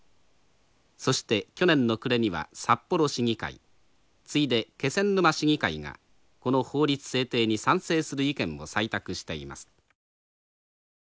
そして去年の暮れには札幌市議会次いで気仙沼市議会がこの法律制定に賛成する意見を採択しています。